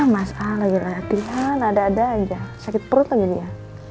mas ah lagi latihan ada ada aja sakit perut lagi dia